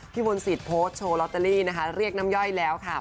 มนตรีโพสต์โชว์ลอตเตอรี่นะคะเรียกน้ำย่อยแล้วค่ะ